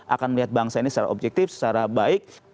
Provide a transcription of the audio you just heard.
akan melihat bangsa ini secara objektif secara baik